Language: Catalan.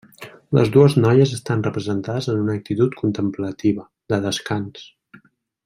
Les dues noies estan representades en una actitud contemplativa, de descans.